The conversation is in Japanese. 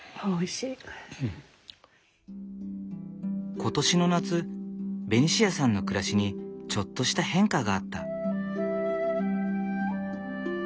今年の夏ベニシアさんの暮らしにちょっとした変化があった。